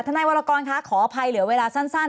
นายวรกรคะขออภัยเหลือเวลาสั้น